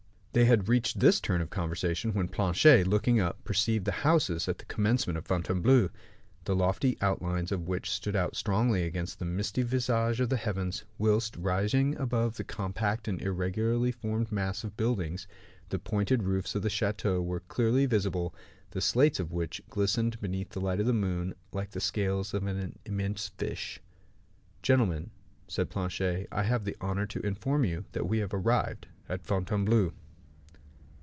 They had reached this turn of conversation, when Planchet, looking up, perceived the houses at the commencement of Fontainebleau, the lofty outlines of which stood out strongly against the misty visage of the heavens; whilst, rising above the compact and irregularly formed mass of buildings, the pointed roofs of the chateau were clearly visible, the slates of which glistened beneath the light of the moon, like the scales of an immense fish. "Gentlemen," said Planchet, "I have the honor to inform you that we have arrived at Fontainebleau."